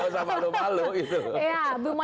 sama lu malu